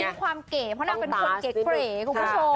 มีความเก๋เพราะน่าเป็นคนเก๋เก๋